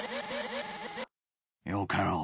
よかろう。